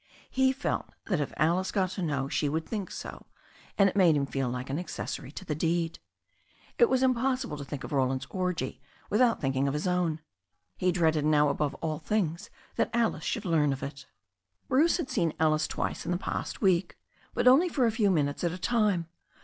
He felt that if Alice got to know she would think so, and it made him feel like an accessory to the deed. It was impossible to think of Ro land's orgy without thinking of his own. He dreaded now above all things that Alice should learn of it. THE STORY OF A NEW ZEALAND RIVER 189 Bruce had seen Alice twice in the past week, but only for a few minutes at a time.